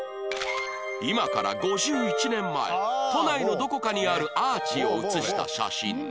今から５１年前都内のどこかにあるアーチを写した写真